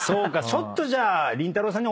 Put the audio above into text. ちょっとじゃあ。